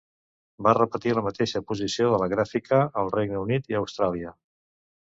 Va repetir la mateixa posició de la gràfica al Regne Unit i a Austràlia.